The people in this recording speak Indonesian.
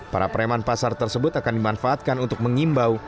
para preman pasar tersebut akan dimanfaatkan untuk mengimbau